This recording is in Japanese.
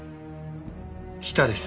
北です。